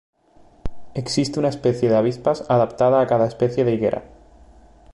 Existe una especie de avispas adaptada a cada especie de higuera.